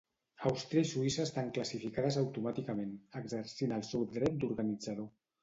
Àustria i Suïssa estan classificades automàticament, exercint el seu dret d'organitzador.